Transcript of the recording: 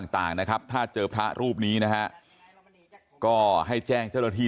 ต่างนะครับถ้าเจอพระรูปนี้นะฮะก็ให้แจ้งเจ้าหน้าที่